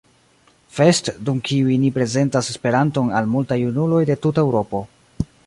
Fest, dum kiuj ni prezentas Esperanton al multaj junuloj de tuta Eŭropo.